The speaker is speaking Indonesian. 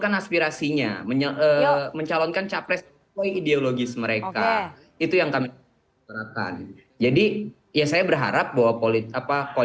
dan kita akan langsung berbicara